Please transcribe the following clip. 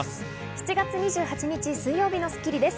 ７月２８日、水曜日の『スッキリ』です。